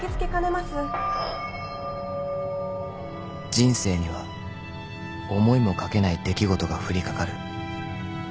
［人生には思いもかけない出来事が降りかかる］